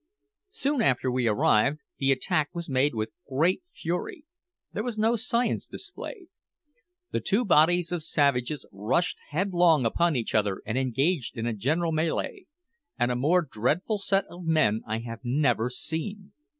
Soon after we arrived, the attack was made with great fury. There was no science displayed. The two bodies of savages rushed headlong upon each other and engaged in a general melee, and a more dreadful set of men I have never seen.